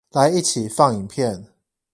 來一起放影片